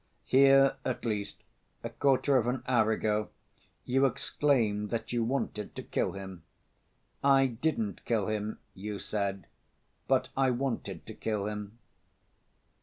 Here at least, a quarter of an hour ago, you exclaimed that you wanted to kill him: 'I didn't kill him,' you said, 'but I wanted to kill him.